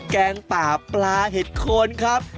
แกงป่าปลาเห็ดโคนครับ